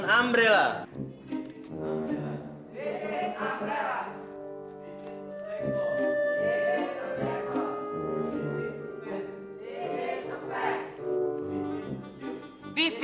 ini adalah kemasan